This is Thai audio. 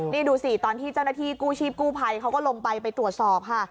นี่ดูสิตอนที่เจ้าหน้าที่กู้ชีพกู้ภัยเขาก็ลงไปไปตรวจสอบค่ะ